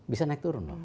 bisa naik turun loh